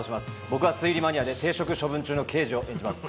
僕は推理マニアで停職処分中の刑事を演じます。